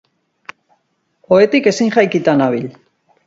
Ohetik ezin jaikita nabil.